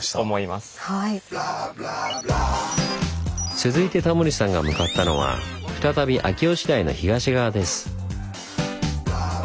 続いてタモリさんが向かったのは再び秋吉台の東側です。